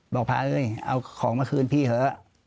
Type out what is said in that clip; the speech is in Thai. บอกพระเอ้ยเอาของมาคืนพี่เถอะ